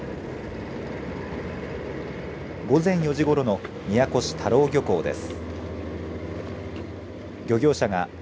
午前４時ごろの宮古市田老漁港です。